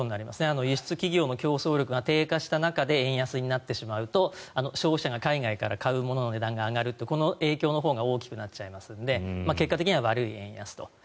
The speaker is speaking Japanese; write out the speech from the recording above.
輸出企業の競争力が低下した中で円安になってしまうと消費者が海外から買うものの値段が高くなるのでこの影響のほうが大きくなっちゃいますので結果的には悪い円安と。